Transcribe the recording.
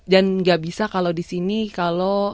dan nggak bisa kalau disini kalau